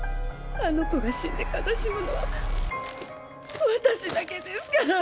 あの子が死んで悲しむのは私だけですから。